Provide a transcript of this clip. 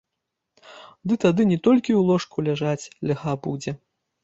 Ды тады не толькі ў ложку ляжаць льга будзе.